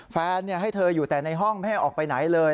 แฟนให้เธออยู่แต่ในห้องไม่ให้ออกไปไหนเลย